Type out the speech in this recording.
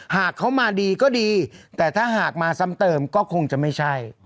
หากเขามาดีก็ดีแต่ถ้าหากมาซ้ำเติมก็คงจะไม่ใช่